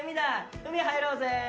海入ろうぜ。